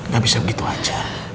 gak bisa begitu aja